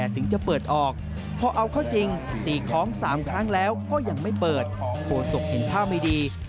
ต้องตีดังกว่านี้